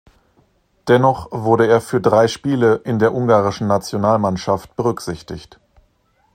Dennoch wurde er für drei Spiele in der ungarischen Nationalmannschaft berücksichtigt.